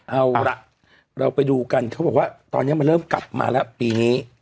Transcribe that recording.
เอาล่ะเราไปดูกันเขาบอกว่าตอนนี้มันเริ่มกลับมาแล้วปีนี้